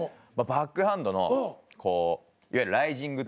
バックハンドのこういわゆるライジング。